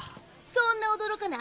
そんな驚かな